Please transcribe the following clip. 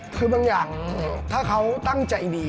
คือบางอย่างถ้าเขาตั้งใจดี